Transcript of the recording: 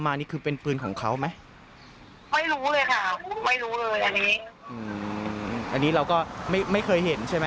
ไม่เคยค่ะไม่เคย